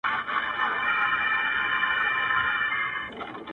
نه بابا خبر نه يم، ستا په خيالورې لور~